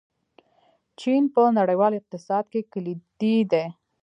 چین په نړیوال اقتصاد کې کلیدي دی.